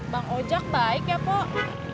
bang ojak baik ya pok